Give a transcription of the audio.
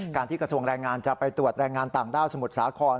ที่กระทรวงแรงงานจะไปตรวจแรงงานต่างด้าวสมุทรสาคร